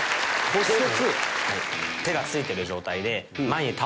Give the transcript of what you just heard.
骨折！